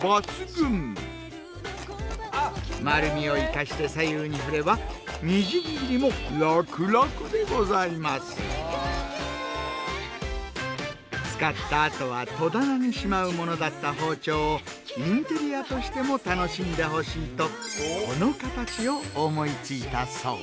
丸みを生かして左右に振れば使ったあとは戸棚にしまうものだった包丁をインテリアとしても楽しんでほしいとこの形を思いついたそう。